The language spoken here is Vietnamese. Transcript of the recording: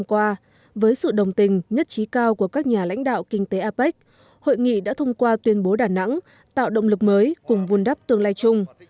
qua với sự đồng tình nhất trí cao của các nhà lãnh đạo kinh tế apec hội nghị đã thông qua tuyên bố đà nẵng tạo động lực mới cùng vun đắp tương lai chung